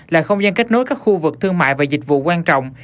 là không gian kết nối các khu vực thương mại và dịch vụ quan trọng